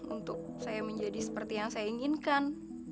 untuk saya menjadi seperti yang saya inginkan